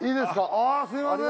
あぁすみません。